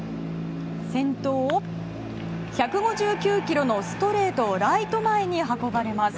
先頭には１５９キロのストレートライト前に運ばれます。